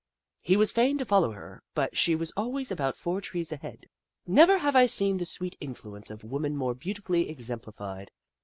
He was fain to follow her, but she was always about four trees ahead. Never have I seen the sweet influence of woman more beautifully exemplified.